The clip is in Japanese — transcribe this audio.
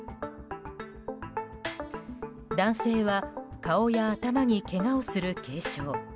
男性は顔や頭にけがをする軽傷。